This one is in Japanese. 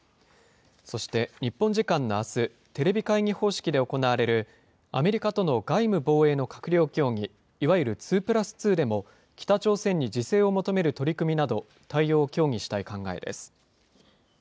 そして、日本時間のあす、テレビ会議方式で行われる、アメリカとの外務・防衛の閣僚協議、いわゆる２プラス２でも、北朝鮮に自制を求める取り組みなど、対応を協議したい考えです。